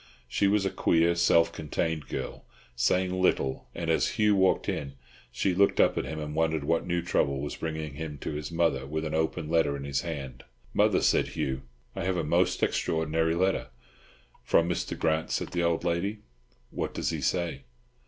She was a queer, self contained girl, saying little; and as Hugh walked in, she looked up at him, and wondered what new trouble was bringing him to his mother with the open letter in his hand. "Mother," said Hugh, "I have had a most extraordinary letter." "From Mr. Grant?" said the old lady, "What does he say?"